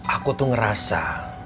aku tuh ngerasa